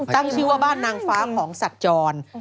ตั้งชื่อว่าบ้านนางฟ้าของสัตว์จร